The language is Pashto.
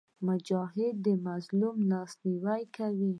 مجاهد د مظلوم لاسنیوی کوي.